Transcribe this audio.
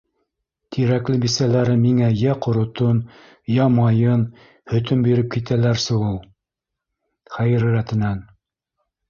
Тирәкле бисәләре миңә йә ҡоротон, йә майын, һөтөн биреп китәләрсе ул. Хәйер рәтенән...